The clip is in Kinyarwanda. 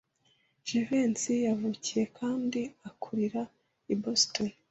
Jivency yavukiye kandi akurira i Boston.